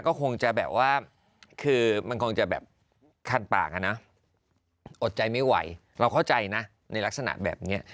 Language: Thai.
ก็คงจะแบบว่าคือมันคงจะแบบคันปากอะนะอดใจไม่ไหวเราเข้าใจนะในลักษณะแบบนี้